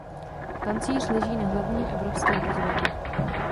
Pancíř leží na hlavním evropském rozvodí.